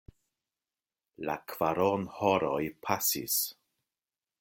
La kvaronhoroj pasis.